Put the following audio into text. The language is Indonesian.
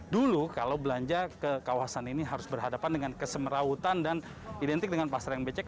dulu kalau belanja ke kawasan ini harus berhadapan dengan kesemerawutan dan identik dengan pasar yang becek